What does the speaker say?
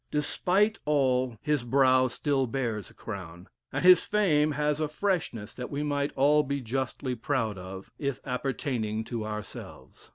Despite all, his brow still bears a crown, and his fame has a freshness that we might all be justly proud of, if appertaining to ourselves.